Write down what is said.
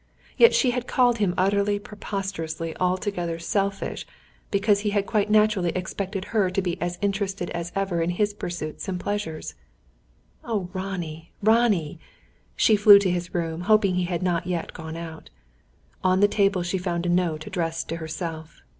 Yet she had called him utterly, preposterously, altogether, selfish, because he had quite naturally expected her to be as interested as ever in his pursuits and pleasures. Oh, Ronnie, Ronnie! She flew to his room, hoping he had not yet gone out. On the table she found a note addressed to herself.